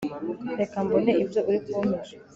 reka mbone ibyo uri kumpisha